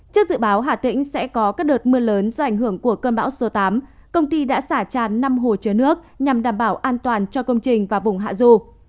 trước dự báo hà tĩnh sẽ có các đợt mưa lớn do ảnh hưởng của cơn bão số tám công ty đã xả tràn năm hồ chứa nước nhằm đảm bảo an toàn cho công trình và vùng hạ du